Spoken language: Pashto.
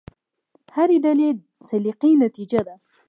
هرې ډلې سلیقې نتیجه ده.